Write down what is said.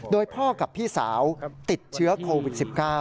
โดยพ่อกับพี่สาวติดเชื้อโควิด๑๙